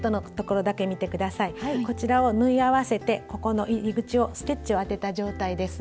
こちらを縫い合わせてここの入り口をステッチをあてた状態です。